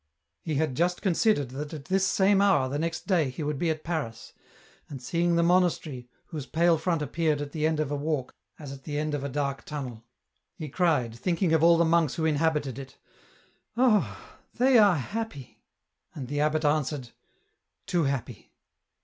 He had just considered that at this same hour the next day he would be at Paris, and seeing the monastery, EN ROUTE. 30r whose pale front appeared at the end of a walk as at the end of a dark tunnel, he cried, thinking of all the monks who inhabited it, " Ah ! they are happy !" And the abbot answered, " Too happy."